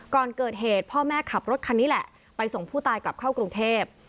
ก่อนเกิดเหตุพ่อแม่ขับรถคันนี้แหละไปส่งผู้ตายกลับเข้ากรุงเทพ